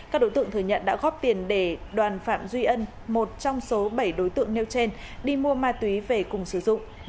các đối tượng thừa nhận đã góp tiền để đoàn phạm duy ân một trong số bảy đối tượng nêu trên đi mua ma túy về cùng sử dụng